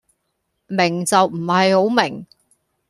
明就唔係好明